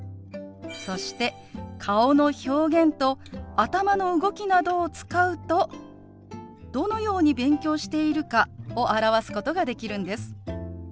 そして顔の表現と頭の動きなどを使うとどのように勉強しているかを表すことができるんです。